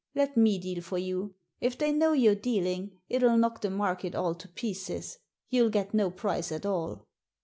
Let me deal for j^u. If they know you're dealing it'll knock the market all to pieces ; youll get no price at all"